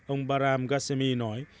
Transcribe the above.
ông baram ghasemi nói